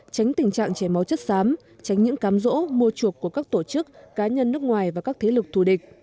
tránh tình trạng chảy máu chất xám tránh những cám rỗ mua chuộc của các tổ chức cá nhân nước ngoài và các thế lực thù địch